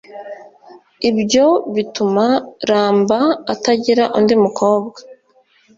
ibyo bituma Ramba atagira undi mukobwa